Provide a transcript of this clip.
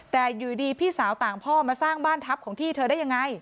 แต่อยู่ดีพี่สาวต่างพ่อมาสร้างบ้านทัพของที่เธอได้ยังไง